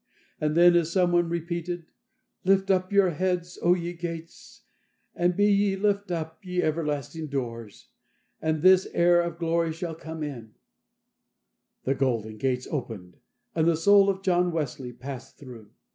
And then, as some one repeated, "Lift up your heads, O ye gates; and be ye lift up, ye everlasting doors; and this Heir of glory shall come in," the Golden Gates opened, and the soul of John Wesley passed through.